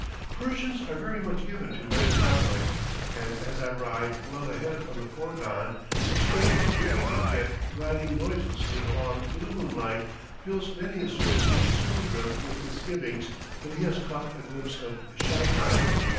Persians are very much given to night travelling, and as I ride well ahead of the fourgon, the strange, weird object, gliding noiselessly along through the moonlight, fills many a superstitious pilgrim with misgivings that he has caught a glimpse of Sheitan.